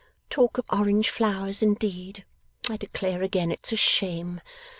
Talk of orange flowers indeed! I declare again it's a shame!